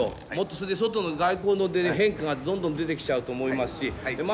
それで外の外光の変化がどんどん出てきちゃうと思いますし前は増やします。